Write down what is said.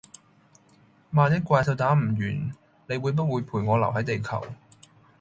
萬一怪獸打唔完，你會不會陪我留係地球？